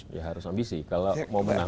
ya harus ambisi kalau mau menang